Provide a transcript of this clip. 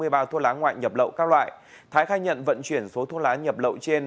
chín trăm năm mươi ba bao thuốc lá ngoại nhập lậu các loại thái khai nhận vận chuyển số thuốc lá nhập lậu trên